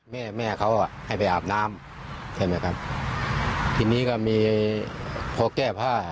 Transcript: แม่แม่เขาอ่ะให้ไปอาบน้ำใช่ไหมครับทีนี้ก็มีพอแก้ผ้า